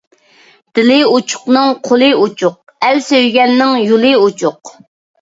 دىلى ئوچۇقنىڭ قولى ئوچۇق، ئەل سۆيگەننىڭ يولى ئوچۇق.